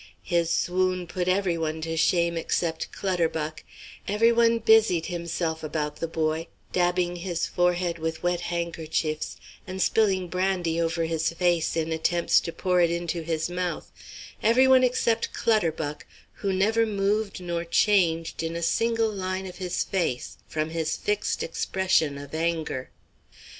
His swoon put every one to shame except Clutterbuck; everyone busied himself about the boy, dabbing his forehead with wet handkerchiefs, and spilling brandy over his face in attempts to pour it into his mouth every one except Clutterbuck, who never moved nor changed in a single line of his face, from his fixed expression of anger.